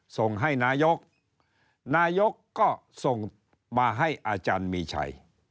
ส่งให้นายกนายกก็ส่งมาให้อาจารย์มีชัย